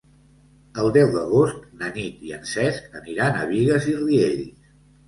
El deu d'agost na Nit i en Cesc aniran a Bigues i Riells.